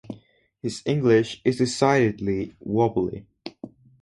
His English is decidedly wobbly.